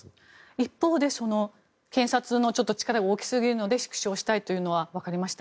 一方で検察の力が大きすぎるので縮小したいというのはわかりました。